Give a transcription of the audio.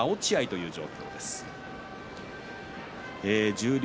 十両